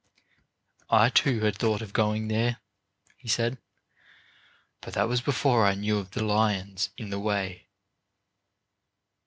"I, too, had thought of going there," he said; "but that was before I knew of the lions in the way."